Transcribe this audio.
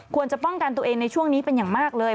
ควรจะป้องกันตัวเองในช่วงนี้เป็นอย่างมากเลย